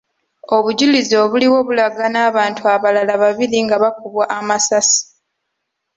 Obujulizi obuliwo bulaga n’abantu abalala babiri nga bakubwa amasasi .